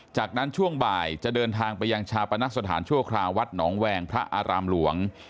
จากนั้นช่วงบ่ายจะเดินทางไปยังชาปนสถานชั่วคราววัดหนองแวงพระอารามหลวง